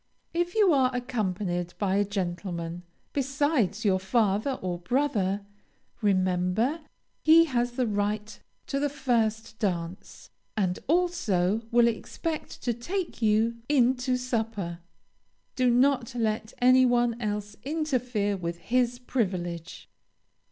If you are accompanied by a gentleman, besides your father or brother, remember he has the right to the first dance, and also will expect to take you in to supper. Do not let any one else interfere with his privilege.